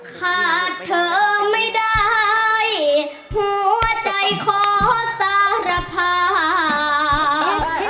ขาดเธอไม่ได้หัวใจขอสารภาพ